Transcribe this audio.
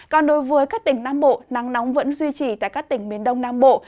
còn đối với các tỉnh nam bộ nắng nóng vẫn duy trì tại các tỉnh miền đông nam bộ